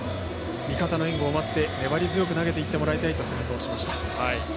味方の援護を待って粘り強く投げていってもらいたいと背中を押しました。